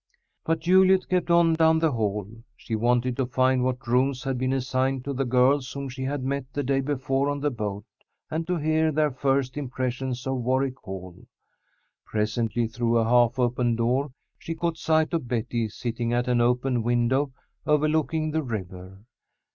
But Juliet kept on down the hall. She wanted to find what rooms had been assigned to the girls whom she had met the day before on the boat, and to hear their first impressions of Warwick Hall. Presently, through a half open door, she caught sight of Betty, sitting at an open window overlooking the river.